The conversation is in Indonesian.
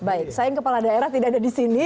baik sayang kepala daerah tidak ada di sini